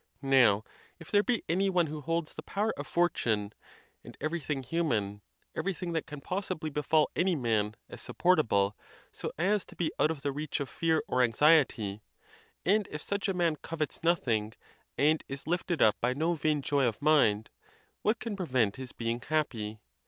Now, if there be any one who holds the power of fortune, and everything human, everything that can possibly befall any man, as supportable, so.as to be out of the reach of fear or anxiety, and if such a man covets nothing, and is lifted up by no vain joy of mind, what can prevent his being happy?